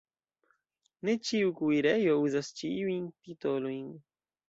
Ne ĉiu kuirejo uzas ĉiujn titolojn.